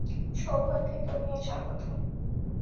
সৌভাগ্যের দুনিয়ায় স্বাগতম।